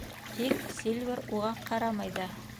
Тик Сильвер уға ҡарамай ҙа.